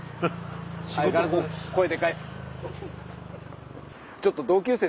相変わらず声でかいです。